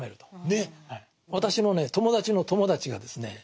私のね友達の友達がですね